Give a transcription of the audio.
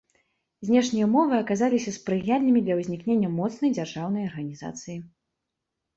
Знешнія ўмовы аказаліся спрыяльнымі для ўзнікнення моцнай дзяржаўнай арганізацыі.